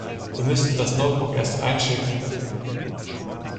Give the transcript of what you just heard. Wir müssten das Notebook erst einschicken.